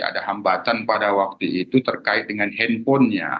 ada hambatan pada waktu itu terkait dengan handphonenya